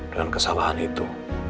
dengan kesalahan itu